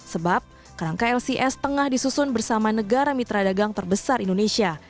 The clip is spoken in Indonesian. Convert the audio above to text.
sebab kerangka lcs tengah disusun bersama negara mitra dagang terbesar indonesia